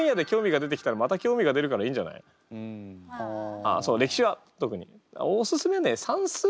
ああそう歴史は特に。